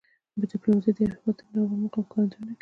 ډیپلوماسي د یو هېواد د نړیوال مقام ښکارندویي کوي.